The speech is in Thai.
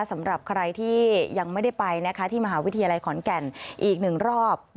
สำหรับใครที่ยังไม่ได้ไปที่มหาวิทยาลัยขอนแก่นอีกหนึ่งรอบ